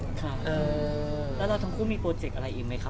แล้วเราทั้งคู่มีโปรแจคอะไรอีกไหมค่ะ